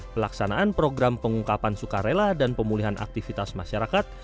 pelaksanaan program pengungkapan sukarela dan pemulihan aktivitas masyarakat